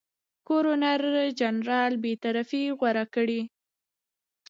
ګورنرجنرال بېطرفي غوره کړي.